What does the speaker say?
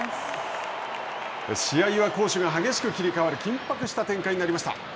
試合は攻守が激しく切り替わる緊迫した展開になりました。